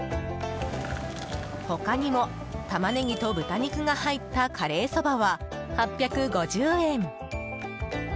他にもタマネギと豚肉が入ったカレーそばは、８５０円。